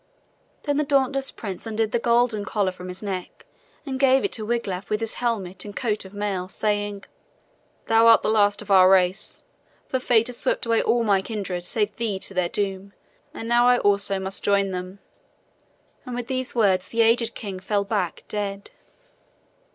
Then the dauntless prince undid the golden collar from his neck and gave it to Wiglaf with his helmet and coat of mail, saying: "Thou art the last of all our race, for Fate has swept away all my kindred save thee to their doom, and now I also must join them," and with these words the aged king fell back dead.